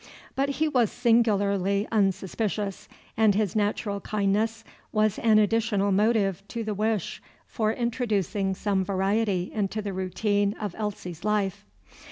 But he was singularly unsuspicious, and his natural kindness was an additional motive to the wish for introducing some variety into the routine of Elsie's life.